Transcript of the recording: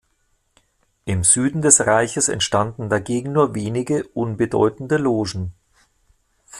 Im Süden des Reiches entstanden dagegen nur wenige unbedeutende Logen.